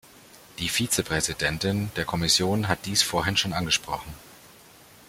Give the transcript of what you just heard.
Die Vizepräsidentin der Kommission hat dies vorhin schon angesprochen.